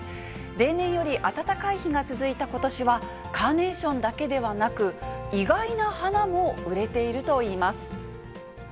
例年より暖かい日が続いたことしは、カーネーションだけではなく、意外な花も売れているといいます。